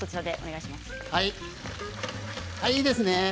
いいですね。